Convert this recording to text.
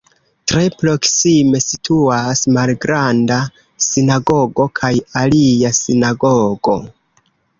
Tre proksime situas Malgranda Sinagogo kaj alia sinagogo.